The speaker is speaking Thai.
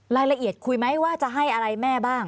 รายละเอียดคุยไหมว่าจะให้อะไรแม่บ้าง